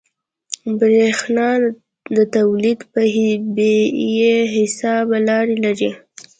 برېښنا د تولید بې حسابه لارې لري.